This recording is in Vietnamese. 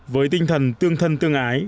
với tinh thần tương thân tương ái